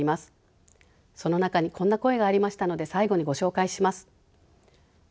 その中にこんな声がありましたので最後にご紹介します。